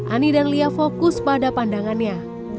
ani dan lia fokus pada pandangannya